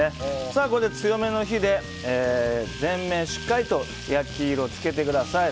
強めの火で全面しっかり焼き色を付けてください。